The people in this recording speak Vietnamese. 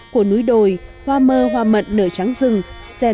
của núi đồi hoa mơ hoa mận nở trắng rừng sen lẫn màu đỏ thấm của hoa đào